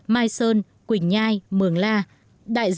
mai sơn quỳnh nhai mường la